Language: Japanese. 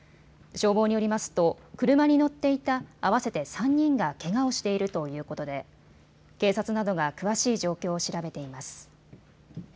消防によりますと車に乗っていた合わせて３人がけがをしているということで警察などが詳しい状況を調べています。